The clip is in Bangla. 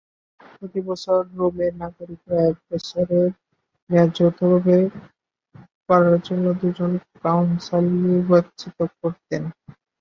প্রতি বছর, রোমের নাগরিকরা এক বছরের মেয়াদে যৌথভাবে কাজ করার জন্য দুজন কনসাল নির্বাচিত করতেন।